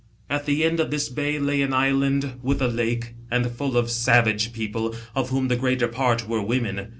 "At the end of this bay lay an island with a lake, and full of savage people, of whom the greater part were women.